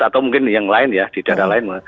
atau mungkin yang lain ya di daerah lain